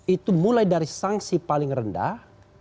itu mulai dari sanksi paling rendah